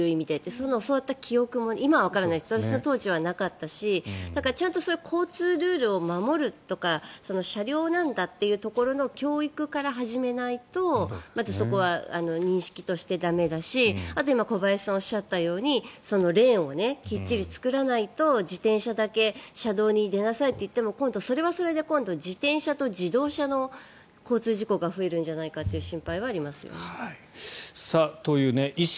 そんなの教わった記憶も今はわかりませんが当時はなかったし、ちゃんとそういう交通ルールを守るとか車両なんだっていうところの教育から始めないとまずそこは認識として駄目だしあと今小林さんがおっしゃったようにレーンをきっちり作らないと自転車だけ車道に出なさいと言っても今度それはそれで自転車と自動車の交通事故が増えるんじゃないかという心配はありますよね。という、意識。